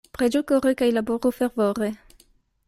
Preĝu kore kaj laboru fervore.